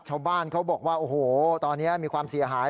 ชาวบ้านเขาบอกว่าโอ้โหตอนนี้มีความเสียหาย